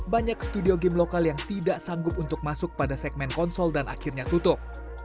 banyak studio game lokal yang tidak sanggup untuk masuk pada segmen konsol dan akhirnya tutup